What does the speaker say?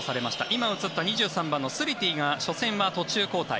今映った２３番のスリティが初戦は途中交代。